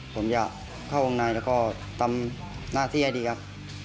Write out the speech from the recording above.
ผมอยากเข้าวงในแล้วก็ทำหน้าที่ให้ดีครับ